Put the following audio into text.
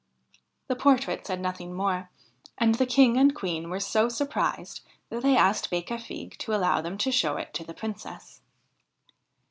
The portrait said nothing more, and the King and the Queen were so surprised that they asked Becafigue to allow them to show it to the Princess.